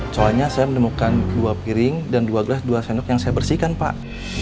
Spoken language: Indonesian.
soalnya saya menemukan dua piring dan dua gelas dua sendok yang saya bersihkan pak